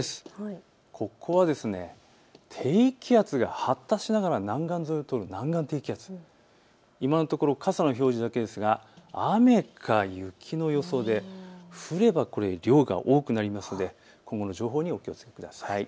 ここは低気圧が発達しながら南岸低気圧、今のところ傘の表示だけですが雨か雪の予想で降れば量が多くなりますので今後の情報にお気をつけください。